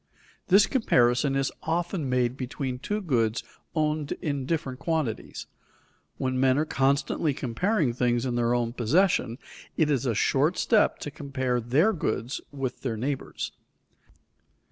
This comparison is often made between two goods owned in different quantities. When men are constantly comparing things in their own possession, it is a short step to compare their goods with their neighbor's.